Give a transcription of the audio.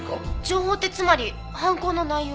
情報ってつまり犯行の内容？